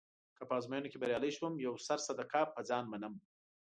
که په ازموینه کې بریالی شوم یو سر صدقه يه ځان منم.